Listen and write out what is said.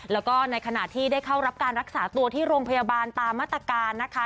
แล้วก็ในขณะที่ได้เข้ารับการรักษาตัวที่โรงพยาบาลตามมาตรการนะคะ